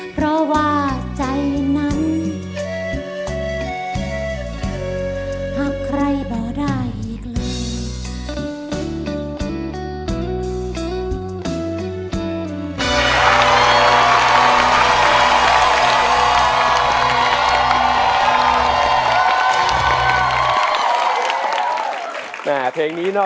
เพราะว่าใจนั้น